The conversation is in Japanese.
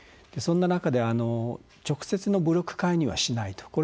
そんな中で直接の武力介入はしないと。